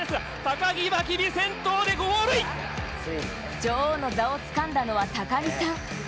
女王の座を掴んだのは高木さん。